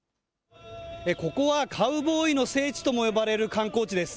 ここはカウボーイの聖地とも呼ばれる観光地です。